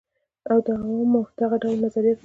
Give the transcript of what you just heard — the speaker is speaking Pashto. او د عوامو دغه ډول نظریاتو ته